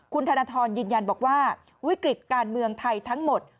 คุณธนทรยืนยันบอกว่าวิกฤตการเมืองไทยทั้งหมด